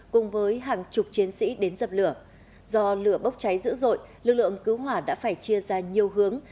cùng với hàng chục chiến sĩ đến dập lửa do lửa bốc cháy dữ dội lực lượng cứu hỏa đã phải chia ra nhiều hướng